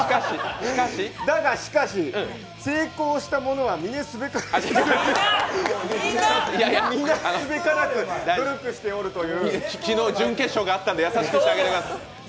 だがしかし、成功した者は皆すべからく努力しておるという昨日、準決勝があったので、優しくしてあげてください。